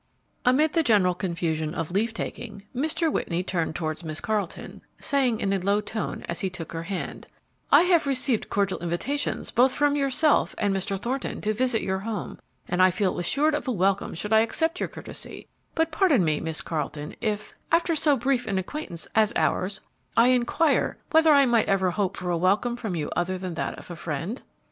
Amid the general confusion of leave taking, Mr. Whitney turned towards Miss Carleton, saying in a low tone, as he took her hand, "I have received cordial invitations both from yourself and Mr. Thornton to visit your home, and I feel assured of a welcome should I accept your courtesy; but, pardon me, Miss Carleton, if, after so brief an acquaintance as ours, I inquire whether I might ever hope for a welcome from you other than that of a friend?"